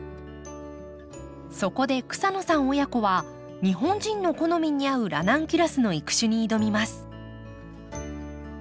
そこで草野さん親子は日本人の好みに合うラナンキュラスの育種に挑みます。